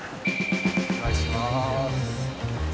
お願いします。